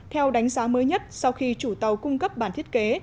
theo đánh giá mới nhất sau khi chủ tàu cung cấp bản thiết kế